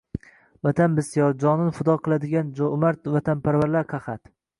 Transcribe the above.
Vatan bisyor, jonin fido qiladigan joʼmard vatanparvar qahat;